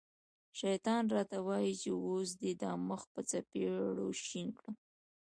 شیطان را ته وايي چې اوس دې دا مخ په څپېړو شین کړم.